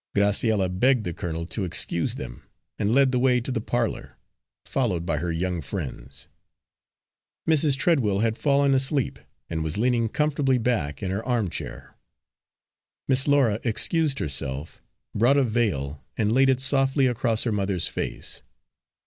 Graciella begged the colonel to excuse them, and led the way to the parlour, followed by her young friends. Mrs. Treadwell had fallen asleep, and was leaning comfortably back in her armchair. Miss Laura excused herself, brought a veil, and laid it softly across her mother's face.